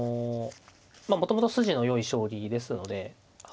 もともと筋のよい将棋ですのではい。